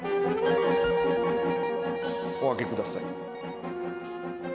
お開けください。